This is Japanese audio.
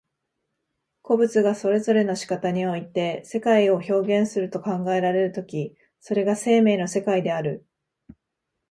個物がそれぞれの仕方において世界を表現すると考えられる時、それが生命の世界である。